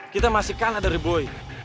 kita masih kalah dari boy